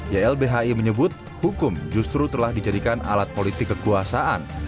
ylbhi menyebut hukum justru telah dijadikan alat politik kekuasaan